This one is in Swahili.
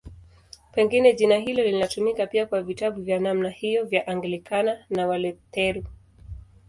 Pengine jina hilo linatumika pia kwa vitabu vya namna hiyo vya Anglikana na Walutheri.